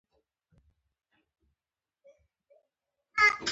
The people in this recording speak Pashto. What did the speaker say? افغانستان د سیلاني ځایونو په برخه کې شهرت لري.